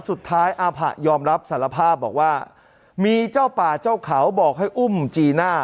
อาผะยอมรับสารภาพบอกว่ามีเจ้าป่าเจ้าเขาบอกให้อุ้มจีน่า